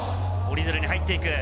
折り鶴に入っていく。